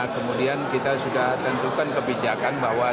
kemudian kita sudah tentukan kebijakan bahwa